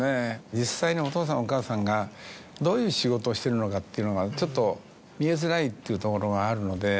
実際にお父さんお母さんがどういう仕事をしてるのかというのがちょっと見えづらいというところがあるので。